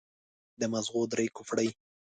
د ماغزو درې کوپړۍ.